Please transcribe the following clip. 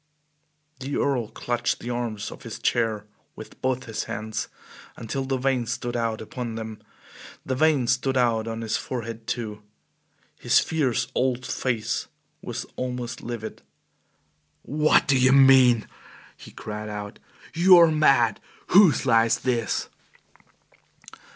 The Earl clutched the arms of his chair with both his hands until the veins stood out upon them; the veins stood out on his forehead too; his fierce old face was almost livid. "What do you mean!" he cried out. "You are mad! Whose lie is this?"